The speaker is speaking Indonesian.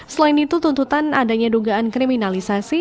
selain itu tuntutan adanya dugaan kriminalisasi